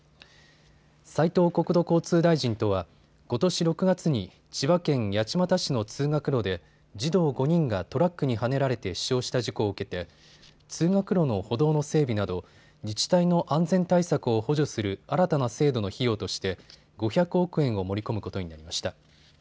斉藤国土交通大臣とはことし６月に千葉県八街市の通学路で児童５人がトラックにはねられて死傷した事故を受けて通学路の歩道の整備など自治体の安全対策を補助する新たな制度の費用として５００億円を盛り込むことになりました。